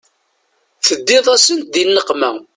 Teddiḍ-asen di nneqma.